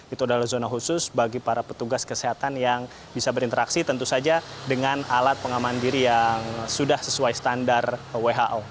itu adalah zona khusus bagi para petugas kesehatan yang bisa berinteraksi tentu saja dengan alat pengaman diri yang sudah sesuai standar who